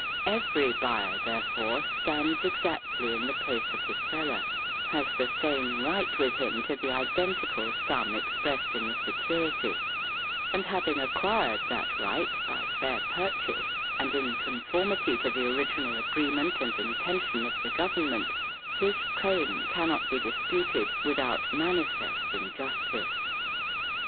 "Every buyer, therefore, stands exactly in the place of the seller, has the same right with him to the identical sum expressed in the security, and having acquired that right, by fair purchase, and in conformity to the original agreement and intention of the government, his claim cannot be disputed without manifest injustice.